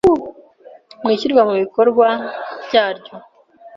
mu ishyirwa mu bikorwa ryaryo.